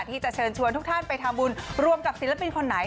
ที่จะเชิญชวนทุกท่านไปทำบุญรวมกับศิลปินคนไหน